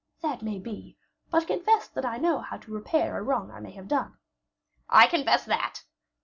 "That may be; but confess that I know how to repair a wrong I may have done." "I confess that."